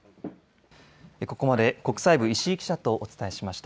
ここまで国際部、石井記者とお伝えしました。